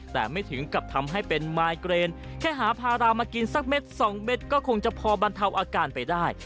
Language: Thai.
แต่ไม่ถึงกับทำให้เป็นไมเกรนแค่หาพารามากินสักเม็ดสองเม็ดก็คงจะพอบรรเทาอาการไปได้